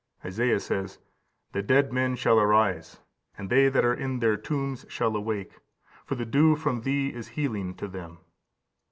15541554 Dan. xii. 2. Esaias says, "The dead men shall arise, and they that are in their tombs shall awake; for the dew from thee is healing to them."